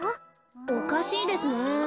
おかしいですね。